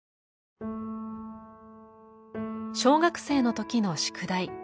小学生のときの宿題